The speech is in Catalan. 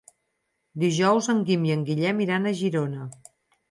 Dijous en Guim i en Guillem iran a Girona.